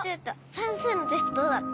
算数のテストどうだった？